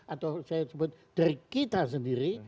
atau saya sebut dari kita sendiri